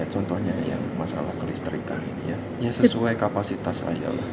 contohnya masalah kelistrikan ini sesuai kapasitas saya